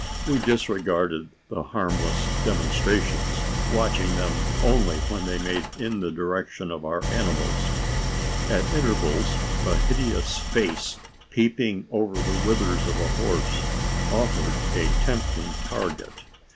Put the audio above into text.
We disregarded the harmless demonstrations, watching them only when made in the direction of our animals. At intervals a hideous face peeping over the withers of a horse, offered a tempting target.